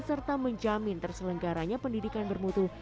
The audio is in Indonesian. serta menjamin terselenggaranya pendidikan bermutu